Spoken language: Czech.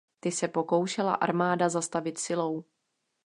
Ty se pokoušela armáda zastavit silou.